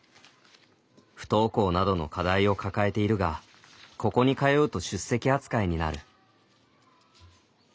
不登校などの課題を抱えているがここに通うと出席扱いになる。